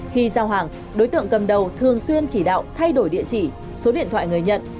khi giao hàng đối tượng cầm đầu thường xuyên chỉ đạo thay đổi địa chỉ số điện thoại người nhận